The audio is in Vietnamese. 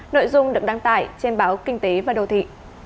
nội dung được đăng tải trên báo kinh tế và đô thị